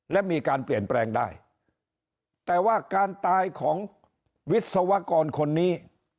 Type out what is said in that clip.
และมีการเปลี่ยนแปลงได้แต่ว่าการตายของวิศวกรคนนี้